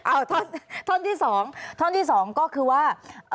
อ้าวท่อนที่สองก็คือว่า